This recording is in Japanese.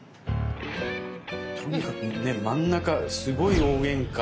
とにかくね真ん中すごい大げんか。